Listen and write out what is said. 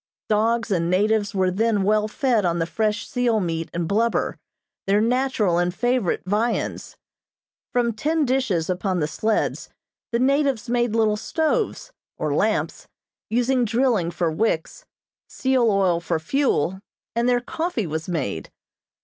Dogs and natives were then well fed on the fresh seal meat and blubber, their natural and favorite viands. From tin dishes upon the sleds, the natives made little stoves, or lamps, using drilling for wicks, seal oil for fuel, and their coffee was made.